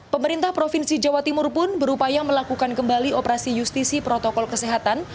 pemerintah provinsi jawa timur pun berupaya melakukan kembali operasi justisi protokol kesehatan